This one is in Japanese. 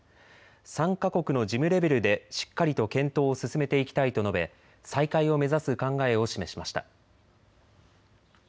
３か国の事務レベルでしっかりと検討を進めていきたいと述べ再開を目指す考えを示しました。